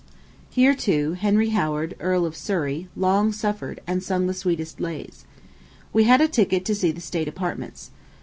Here, too, Henry Howard, Earl of Surrey, long suffered, and sung the sweetest lays. We had a ticket to see the state apartments.